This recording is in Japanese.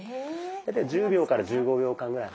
大体１０秒から１５秒間ぐらい。